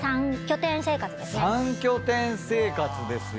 ３拠点生活ですよ。